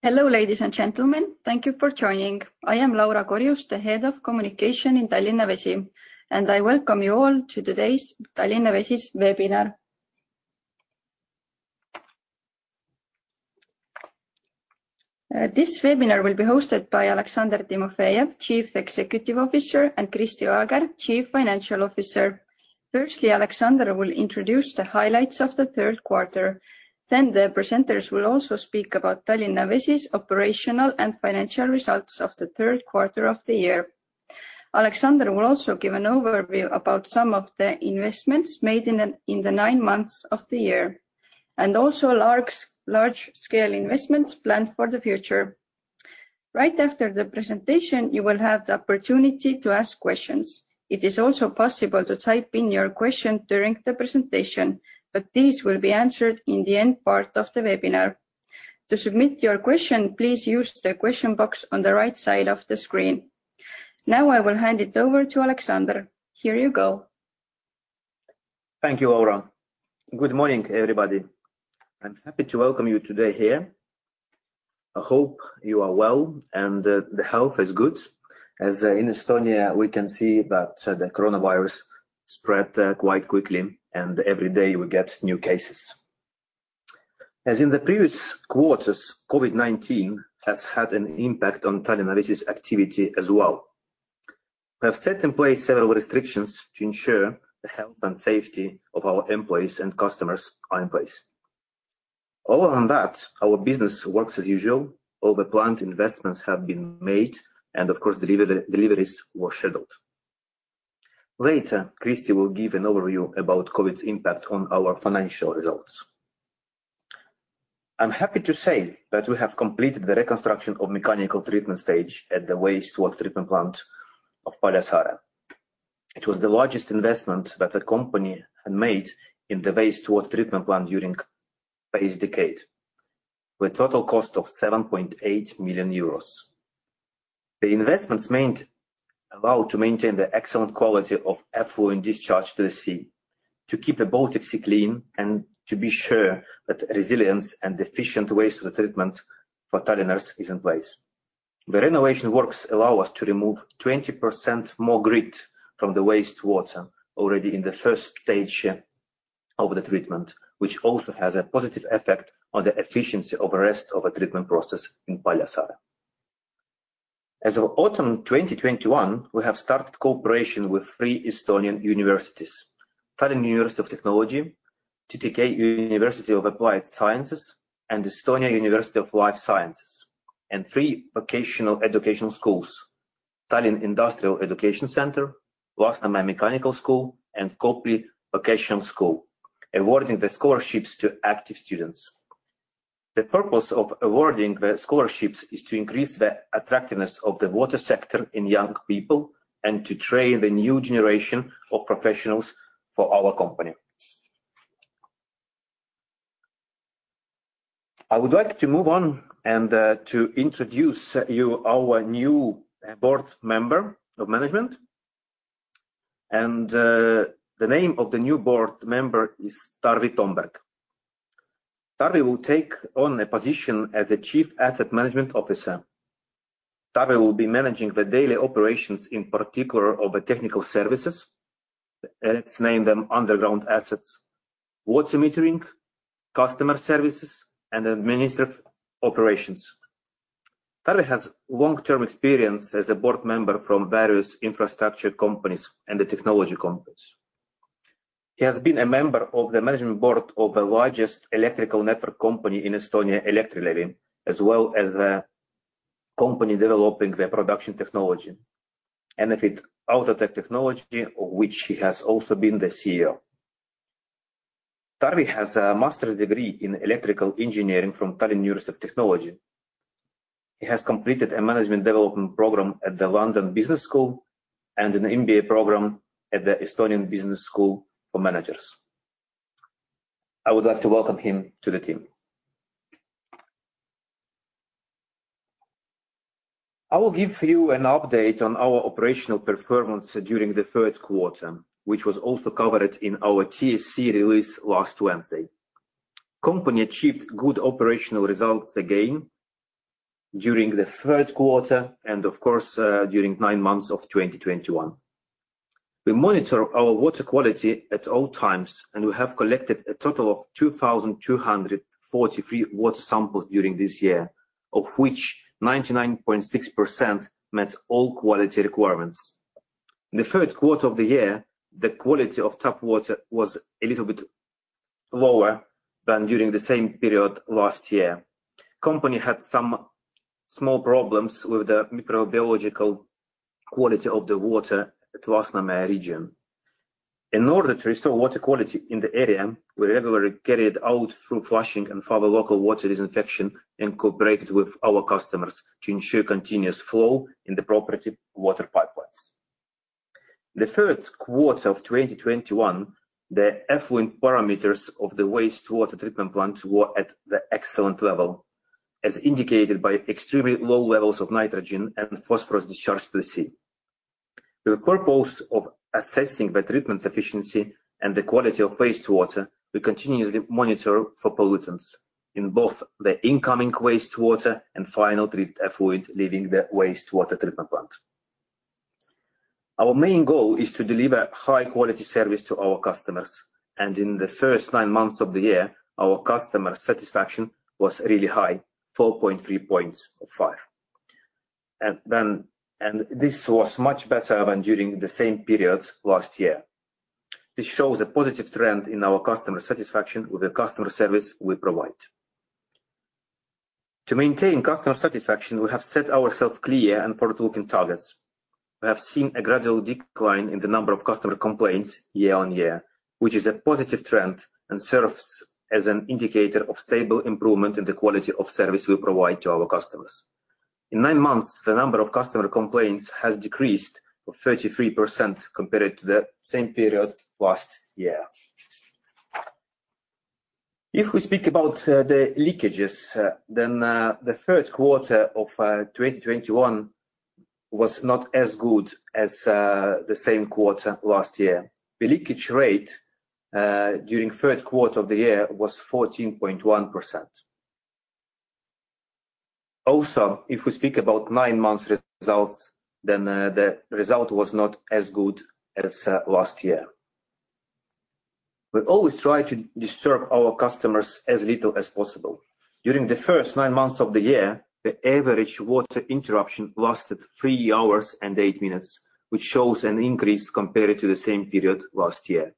Hello, ladies and gentlemen. Thank you for joining. I am Laura Korjus, the Head of Communication in Tallinna Vesi, and I welcome you all to today's Tallinna Vesi's webinar. This webinar will be hosted by Aleksandr Timofejev, Chief Executive Officer, and Kristi Ojakäär, Chief Financial Officer. Firstly, Aleksandr Timofejev will introduce the highlights of the third quarter, then the presenters will also speak about Tallinna Vesi's operational and financial results of the third quarter of the year. Aleksandr Timofejev will also give an overview about some of the investments made in the nine months of the year and also large scale investments planned for the future. Right after the presentation, you will have the opportunity to ask questions. It is also possible to type in your question during the presentation, but these will be answered in the end part of the webinar. To submit your question, please use the question box on the right side of the screen. Now, I will hand it over to Aleksandr. Here you go. Thank you, Laura. Good morning, everybody. I'm happy to welcome you today here. I hope you are well and the health is good as in Estonia we can see that the coronavirus spread quite quickly, and every day we get new cases. As in the previous quarters, COVID-19 has had an impact on Tallinna Vesi's activity as well. We have set in place several restrictions to ensure the health and safety of our employees and customers are in place. Other than that, our business works as usual. All the planned investments have been made and of course, deliveries were scheduled. Later, Kristi will give an overview about COVID's impact on our financial results. I'm happy to say that we have completed the reconstruction of mechanical treatment stage at the Paljassaare Wastewater Treatment Plant. It was the largest investment that the company had made in the wastewater treatment plant during the past decade with total cost of 7.8 million euros. The investments made allow to maintain the excellent quality of effluent discharge to the sea, to keep the Baltic Sea clean, and to be sure that resilience and efficient wastewater treatment for Tallinn is in place. The renovation works allow us to remove 20% more grit from the wastewater already in the first stage of the treatment, which also has a positive effect on the efficiency of the rest of the treatment process in Paljassaare. As of autumn 2021, we have started cooperation with three Estonian universities, Tallinn University of Technology, TTK University of Applied Sciences, and Estonian University of Life Sciences, and three vocational educational schools, Tallinn Industrial Education Centre, Tallinn Lasnamäe School of Mechanics, and Tallinna Kopli Ametikool, awarding the scholarships to active students. The purpose of awarding the scholarships is to increase the attractiveness of the water sector in young people and to train the new generation of professionals for our company. I would like to move on and to introduce you our new board member of management and the name of the new board member is Tarvi Thomberg. Tarvi will take on a position as the Chief Asset Management Officer. Tarvi will be managing the daily operations in particular of the technical services. Let's name them underground assets, water metering, customer services, and administrative operations. Tarvi has long-term experience as a board member from various infrastructure companies and technology companies. He has been a member of the management board of the largest electrical network company in Estonia, Elektrilevi, as well as the company developing the production technology and benefiting from the technology of which he has also been the CEO. Tarvi has a master's degree in electrical engineering from Tallinn University of Technology. He has completed a management development program at the London Business School and an MBA program at the Estonian Business School for Managers. I would like to welcome him to the team. I will give you an update on our operational performance during the third quarter, which was also covered in our TSE release last Wednesday. The Company achieved good operational results again during the third quarter and of course during nine months of 2021. We monitor our water quality at all times, and we have collected a total of 2,243 water samples during this year, of which 99.6% met all quality requirements. In the third quarter of the year, the quality of tap water was a little bit lower than during the same period last year. Company had some small problems with the microbiological quality of the water at Lasnamäe region. In order to restore water quality in the area, we regularly carried out thorough flushing and further local water disinfection and cooperated with our customers to ensure continuous flow in the property water pipelines. The third quarter of 2021, the effluent parameters of the wastewater treatment plants were at the excellent level, as indicated by extremely low levels of nitrogen and phosphorus discharged to the sea. For the purpose of assessing the treatment efficiency and the quality of wastewater, we continuously monitor for pollutants in both the incoming wastewater and final treated effluent leaving the wastewater treatment plant. Our main goal is to deliver high-quality service to our customers, and in the first nine months of the year, our customer satisfaction was really high, 4.3 points out of five. This was much better than during the same periods last year. This shows a positive trend in our customer satisfaction with the customer service we provide. To maintain customer satisfaction, we have set ourselves clear and forward-looking targets. We have seen a gradual decline in the number of customer complaints year-on-year, which is a positive trend and serves as an indicator of stable improvement in the quality of service we provide to our customers. In nine months, the number of customer complaints has decreased for 33% compared to the same period last year. If we speak about the leakages, then the third quarter of 2021 was not as good as the same quarter last year. The leakage rate during third quarter of the year was 14.1%. Also, if we speak about nine-month results, then the result was not as good as last year. We always try to disturb our customers as little as possible. During the first nine months of the year, the average water interruption lasted three hours and eight minutes, which shows an increase compared to the same period last year.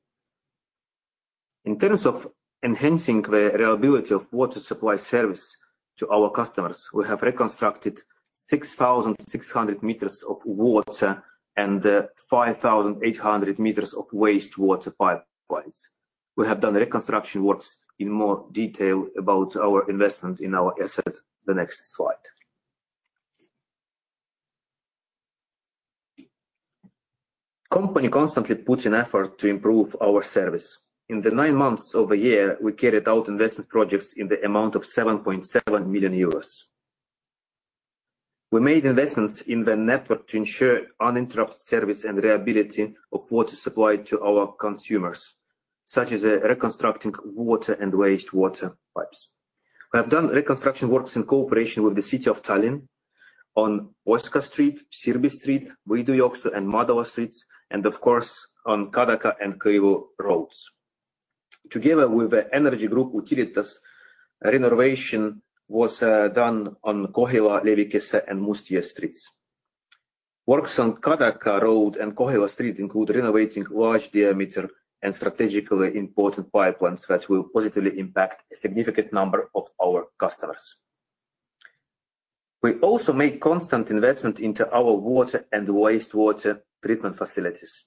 In terms of enhancing the reliability of water supply service to our customers, we have reconstructed 6,600 meters of water and 5,800 meters of wastewater pipelines. We have done reconstruction works in more detail about our investment in our asset the next slide. The Company constantly puts in effort to improve our service. In the nine months of the year, we carried out investment projects in the amount of 7.7 million euros. We made investments in the network to ensure uninterrupted service and reliability of water supply to our consumers, such as reconstructing water and wastewater pipes. We have done reconstruction works in cooperation with the City of Tallinn on Oa Street, Sirbi Street, Rüütli tänav, Jõe tänav and Madara tänav and of course, on Kadaka and Kõivu tee. Together with the energy group Utilitas, renovation was done on Kohila, Lõikuse and Mustjõe tänav. Works on Kadaka Road and Kohila Street include renovating large diameter and strategically important pipelines that will positively impact a significant number of our customers. We also make constant investment into our water and wastewater treatment facilities.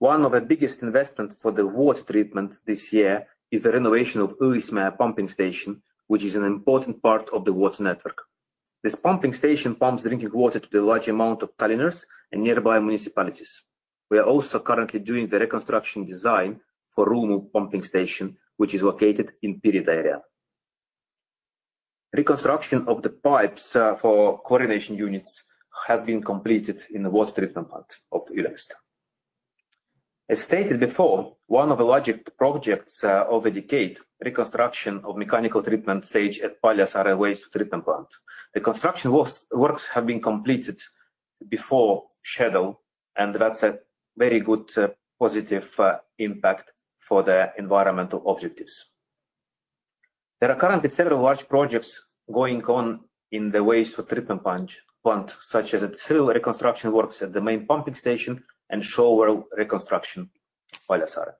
One of the biggest investments for the water treatment this year is the renovation of Ülemiste Pumping Station, which is an important part of the water network. This pumping station pumps drinking water to the large amount of Tallinners and nearby municipalities. We are also currently doing the reconstruction design for Rohuneeme Pumping Station, which is located in Pirita area. Reconstruction of the pipes for chlorination units has been completed in the water treatment plant of Ülemiste. As stated before, one of the largest projects of the decade, reconstruction of mechanical treatment stage at Paljassaare Wastewater Treatment Plant. The construction works have been completed before schedule, and that's a very good positive impact for the environmental objectives. There are currently several large projects going on in the wastewater treatment plant, such as a sewer reconstruction works at the main pumping station and shore reconstruction Paljassaare.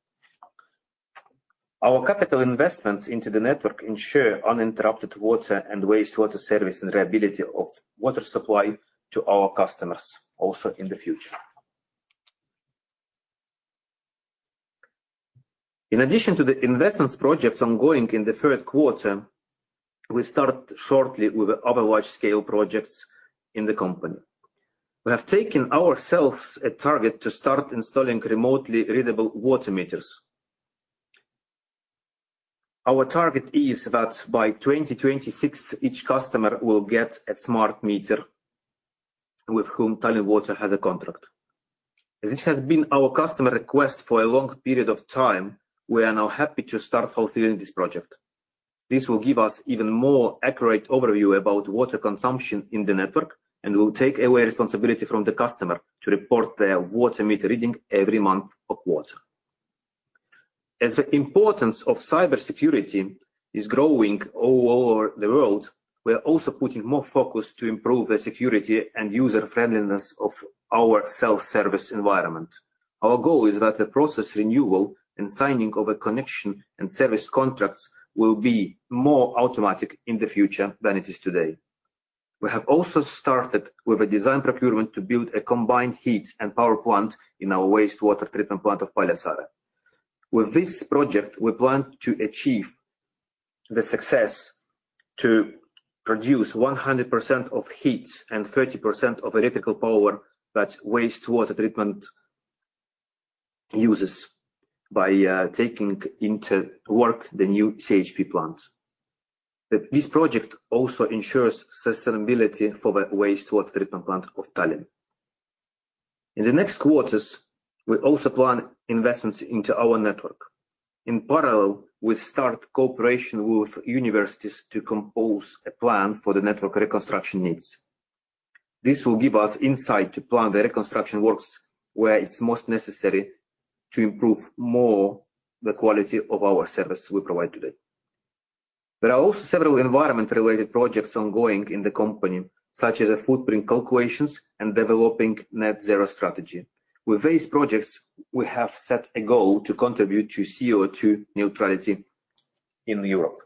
Our capital investments into the network ensure uninterrupted water and wastewater service and reliability of water supply to our customers also in the future. In addition to the investment projects ongoing in the third quarter, we start shortly with other large-scale projects in the company. We have taken ourselves a target to start installing remotely readable water meters. Our target is that by 2026, each customer will get a smart meter with whom Tallinna Vesi has a contract. As it has been our customer request for a long period of time, we are now happy to start fulfilling this project. This will give us even more accurate overview about water consumption in the network and will take away responsibility from the customer to report their water meter reading every month or quarter. As the importance of cybersecurity is growing all over the world, we are also putting more focus to improve the security and user-friendliness of our self-service environment. Our goal is that the process renewal and signing of a connection and service contracts will be more automatic in the future than it is today. We have also started with a design procurement to build a combined heat and power plant in our Paljassaare Wastewater Treatment Plant. With this project, we plan to achieve the success to produce 100% of heat and 30% of electrical power that the wastewater treatment uses by taking into work the new CHP plant. This project also ensures sustainability for the wastewater treatment plant of Tallinn. In the next quarters, we also plan investments into our network. In parallel, we start cooperation with universities to compose a plan for the network reconstruction needs. This will give us insight to plan the reconstruction works where it's most necessary to improve more the quality of our service we provide today. There are also several environment-related projects ongoing in the company, such as footprint calculations and developing net zero strategy. With these projects, we have set a goal to contribute to CO2 neutrality in Europe.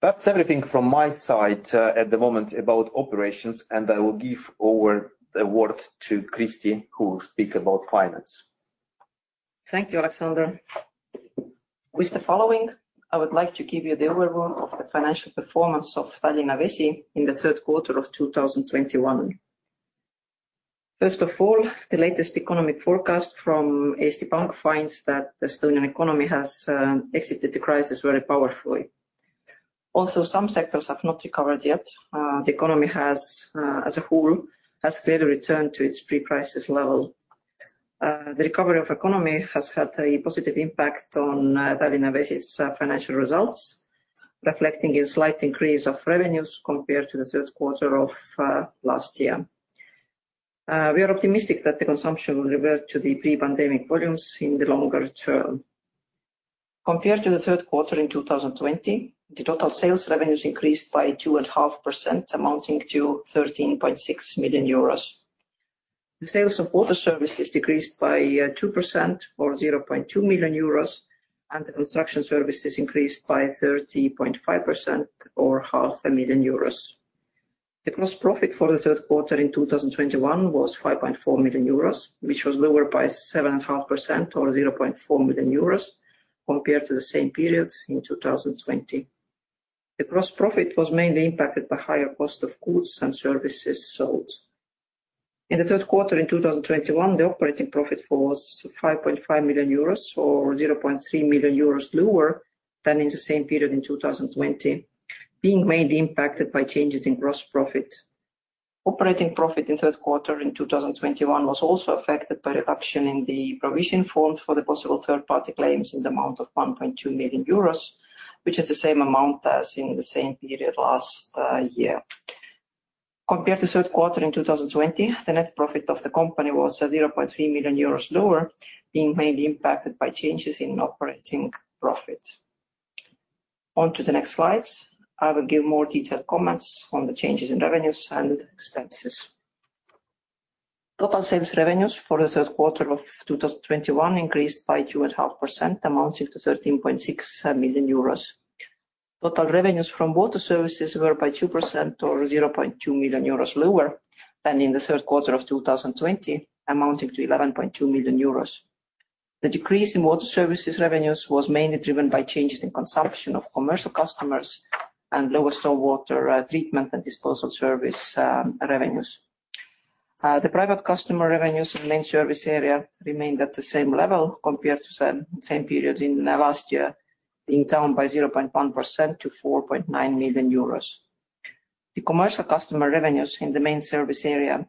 That's everything from my side, at the moment about operations, and I will give over the word to Kristi, who will speak about finance. Thank you, Aleksandr. With the following, I would like to give you the overview of the financial performance of Tallinna Vesi in the third quarter of 2021. First of all, the latest economic forecast from SEB Pank finds that the Estonian economy has exited the crisis very powerfully. Also, some sectors have not recovered yet. The economy, as a whole, has clearly returned to its pre-crisis level. The recovery of the economy has had a positive impact on Tallinna Vesi's financial results, reflecting a slight increase of revenues compared to the third quarter of last year. We are optimistic that the consumption will revert to the pre-pandemic volumes in the longer term. Compared to the third quarter in 2020, the total sales revenues increased by 2.5%, amounting to 13.6 million euros. The sales of water services decreased by 2% or 0.2 million euros, and the construction services increased by 30.5% or 0.5 million euros. The gross profit for the third quarter in 2021 was 5.4 million euros, which was lower by 7.5% or 0.4 million euros compared to the same period in 2020. The gross profit was mainly impacted by higher cost of goods and services sold. In the third quarter in 2021, the operating profit was 5.5 million euros or 0.3 million euros lower than in the same period in 2020, being mainly impacted by changes in gross profit. Operating profit in third quarter in 2021 was also affected by reduction in the provision formed for the possible third-party claims in the amount of 1.2 million euros, which is the same amount as in the same period last year. Compared to third quarter in 2020, the net profit of the company was 0.3 million euros lower, being mainly impacted by changes in operating profit. On to the next slides, I will give more detailed comments on the changes in revenues and expenses. Total sales revenues for the third quarter of 2021 increased by 2.5%, amounting to 13.6 million euros. Total revenues from water services were by 2% or 0.2 million euros lower than in the third quarter of 2020, amounting to 11.2 million euros. The decrease in water services revenues was mainly driven by changes in consumption of commercial customers and lower stormwater treatment and disposal service revenues. The private customer revenues in main service area remained at the same level compared to same period in last year, being down by 0.1% to 4.9 million euros. The commercial customer revenues in the main service area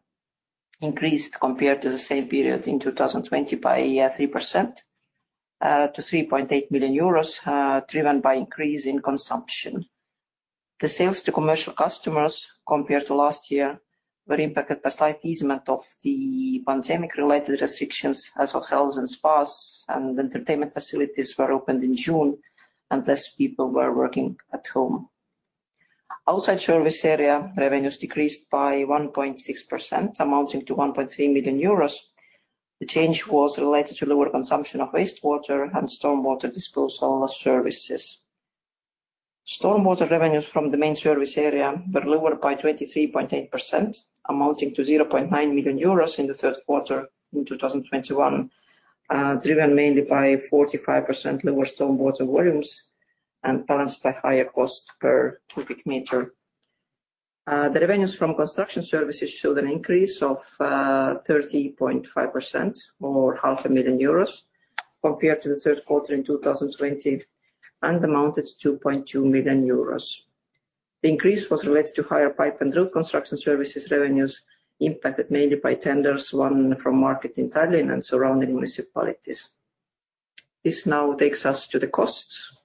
increased compared to the same period in 2020 by 3% to 3.8 million euros, driven by increase in consumption. The sales to commercial customers compared to last year were impacted by slight easement of the pandemic-related restrictions as hotels and spas and entertainment facilities were opened in June, and less people were working at home. Outside service area, revenues decreased by 1.6%, amounting to 1.3 million euros. The change was related to lower consumption of wastewater and stormwater disposal services. Stormwater revenues from the main service area were lower by 23.8%, amounting to 0.9 million euros in the third quarter in 2021, driven mainly by 45% lower stormwater volumes and balanced by higher cost per cubic meter. The revenues from construction services showed an increase of 30.5% or 0.5 million euros compared to the third quarter in 2020 and amounted to 2.2 million euros. The increase was related to higher pipe and drill construction services revenues impacted mainly by tenders won from market in Tallinn and surrounding municipalities. This now takes us to the costs.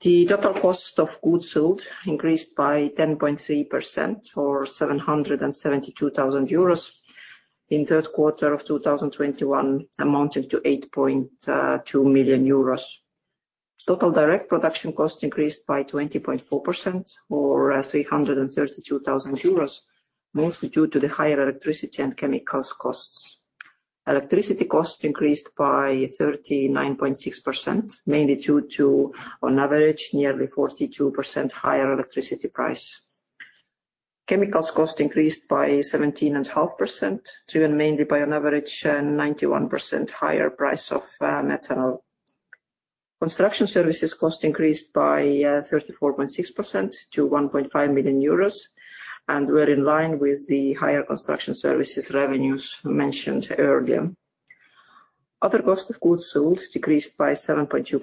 The total cost of goods sold increased by 10.3% or 772,000 euros in third quarter of 2021, amounting to 8.2 million euros. Total direct production cost increased by 20.4% or 332,000 euros, mostly due to the higher electricity and chemicals costs. Electricity cost increased by 39.6%, mainly due to, on average, nearly 42% higher electricity price. Chemicals cost increased by 17.5%, driven mainly by an average 91% higher price of methanol. Construction services cost increased by 34.6% to 1.5 million euros, and were in line with the higher construction services revenues mentioned earlier. Other cost of goods sold decreased by 7.2% to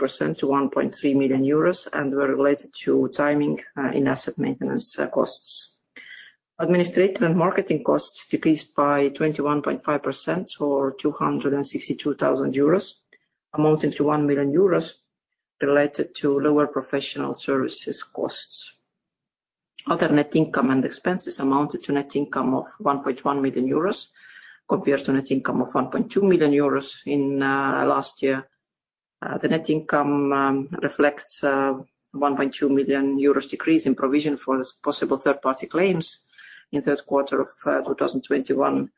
1.3 million euros and were related to timing in asset maintenance costs. Administrative and marketing costs decreased by 21.5%, or 262,000 euros, amounting to 1 million euros related to lower professional services costs. Other net income and expenses amounted to net income of 1.1 million euros compared to net income of 1.2 million euros in last year. The net income reflects 1.2 million euros decrease in provision for those possible third-party claims in third quarter of 2021,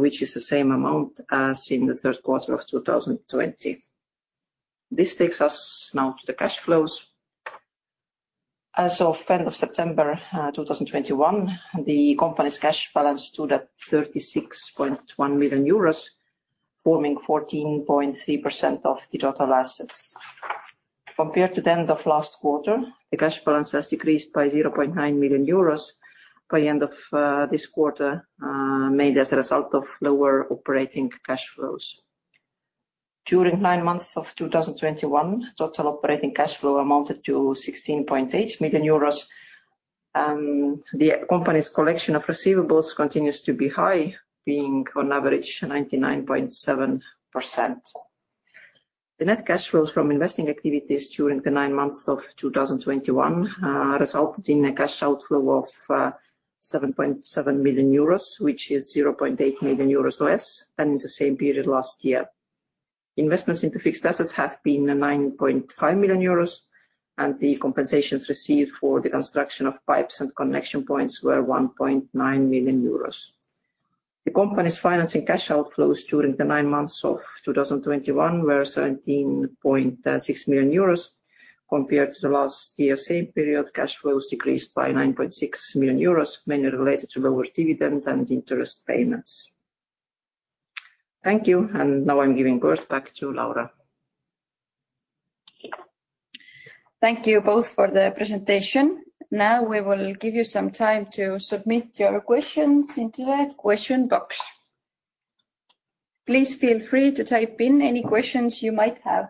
which is the same amount as in the third quarter of 2020. This takes us now to the cash flows. As of end of September 2021, the company's cash balance stood at 36.1 million euros, forming 14.3% of the total assets. Compared to the end of last quarter, the cash balance has decreased by 0.9 million euros by end of this quarter, mainly as a result of lower operating cash flows. During nine months of 2021, total operating cash flow amounted to 16.8 million euros, and the company's collection of receivables continues to be high, being on average 99.7%. The net cash flows from investing activities during the nine months of 2021 resulted in a cash outflow of 7.7 million euros, which is 0.8 million euros less than in the same period last year. Investments into fixed assets have been 9.5 million euros, and the compensations received for the construction of pipes and connection points were 1.9 million euros. The company's financing cash outflows during the nine months of 2021 were 17.6 million euros. Compared to the last year's same period, cash flows decreased by 9.6 million euros, mainly related to lower dividend and interest payments. Thank you, and now I'm giving floor back to Laura. Thank you both for the presentation. Now we will give you some time to submit your questions into the question box. Please feel free to type in any questions you might have.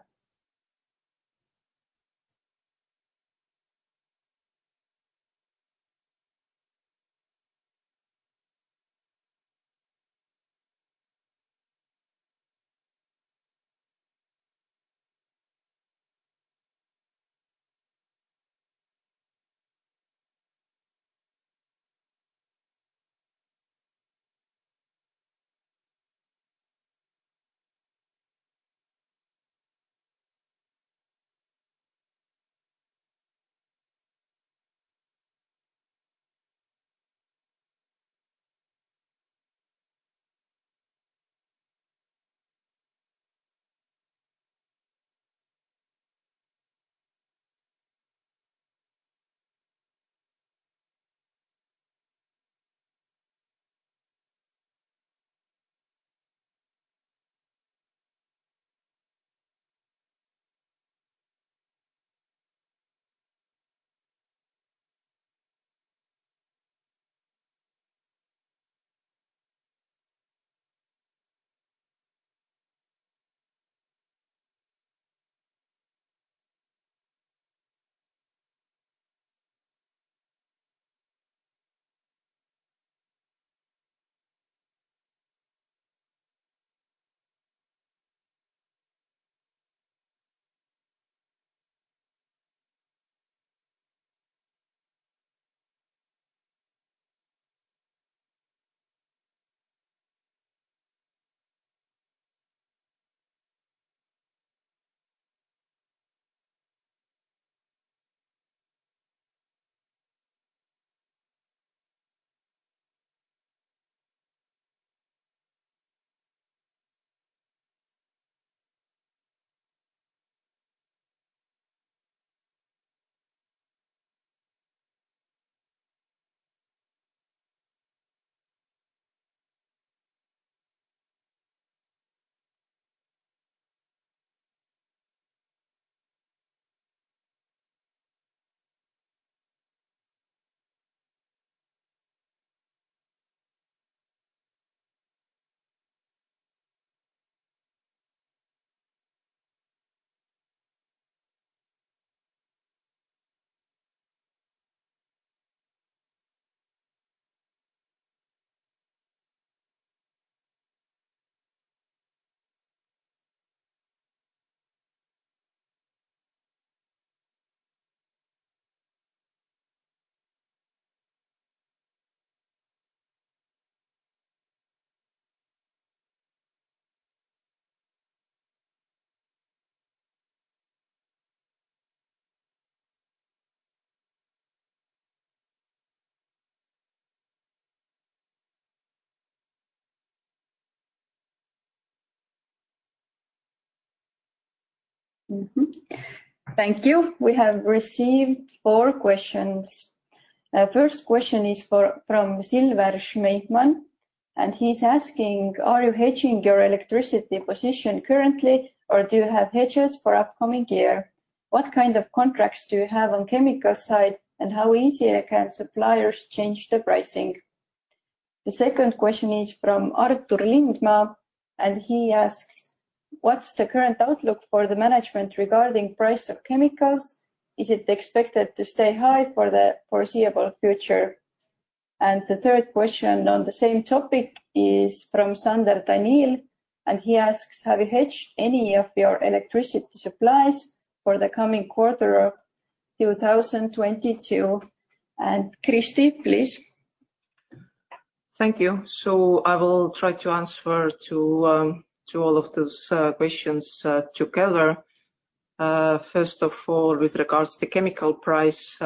Thank you. We have received four questions. First question is from Silver Sõerd, and he's asking, "Are you hedging your electricity position currently, or do you have hedges for upcoming year? What kind of contracts do you have on chemical side, and how easy can suppliers change the pricing?" The second question is from Artur Lindmaa, and he asks, "What's the current outlook for the management regarding price of chemicals? Is it expected to stay high for the foreseeable future?" The third question on the same topic is from Sander Danil, and he asks, "Have you hedged any of your electricity supplies for the coming quarter of 2022?" Kristi, please. Thank you. I will try to answer to all of those questions together. First of all, with regards to chemical price,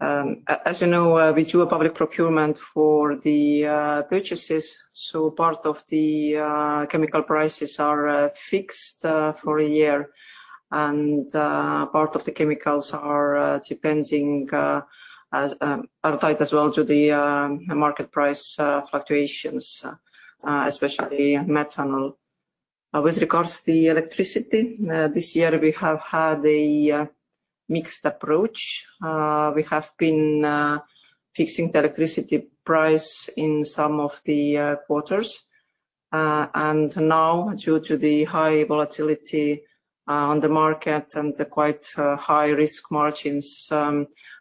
as you know, we do a public procurement for the purchases, so part of the chemical prices are fixed for a year. Part of the chemicals are tied as well to the market price fluctuations, especially methanol. With regards to the electricity, this year we have had a mixed approach. We have been fixing the electricity price in some of the quarters. Now, due to the high volatility on the market and the quite high risk margins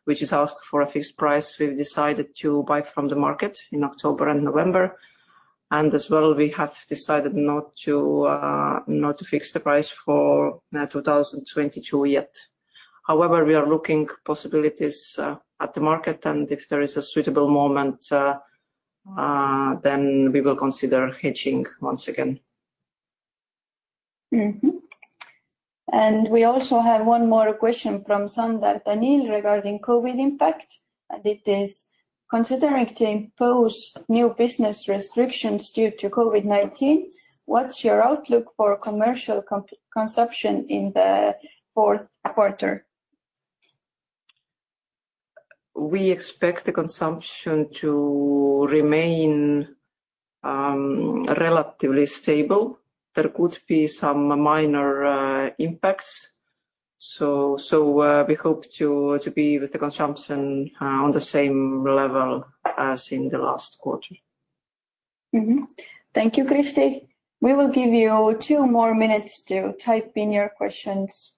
which is asked for a fixed price, we've decided to buy from the market in October and November. As well, we have decided not to fix the price for 2022 yet. However, we are looking for possibilities at the market, and if there is a suitable moment, then we will consider hedging once again. We also have one more question from Sander Danil regarding COVID impact. It is: considering the imposition of new business restrictions due to COVID-19, what's your outlook for commercial consumption in the fourth quarter? We expect the consumption to remain relatively stable. There could be some minor impacts. We hope to be with the consumption on the same level as in the last quarter. Thank you, Kristi. We will give you two more minutes to type in your questions.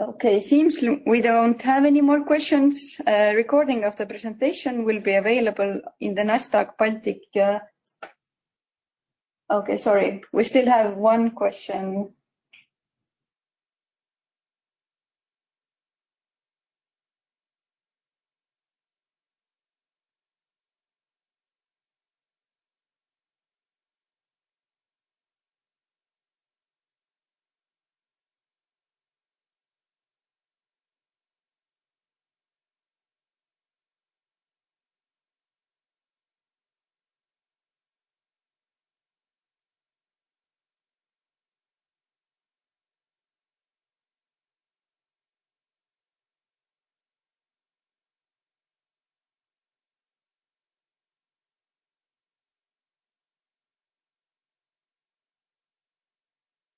Okay, seems like we don't have any more questions. A recording of the presentation will be available in the Nasdaq Baltic. Okay, sorry. We still have one question.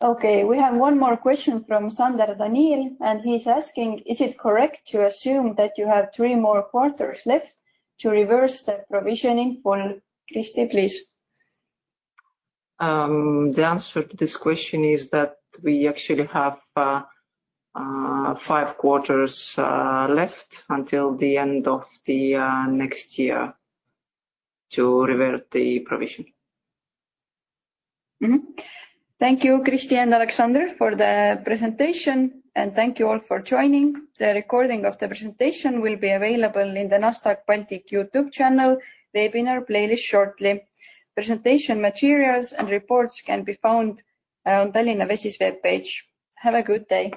Okay, we have one more question from Sander Danil, and he's asking, "Is it correct to assume that you have three more quarters left to reverse the provisioning for..." Kristi, please. The answer to this question is that we actually have five quarters left until the end of the next year to revert the provision. Thank you, Kristi and Aleksandr, for the presentation, and thank you all for joining. The recording of the presentation will be available in the Nasdaq Baltic YouTube channel webinar playlist shortly. Presentation materials and reports can be found on Tallinna Vesi's webpage. Have a good day.